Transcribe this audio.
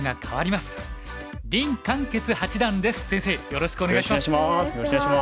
よろしくお願いします。